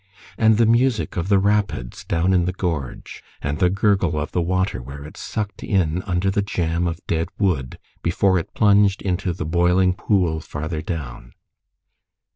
And the music of the rapids down in the gorge, and the gurgle of the water where it sucked in under the jam of dead wood before it plunged into the boiling pool farther down!